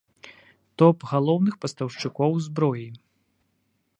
Топ галоўных пастаўшчыкоў зброі.